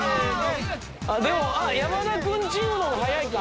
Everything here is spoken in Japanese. でも山田君チームの方が速いか？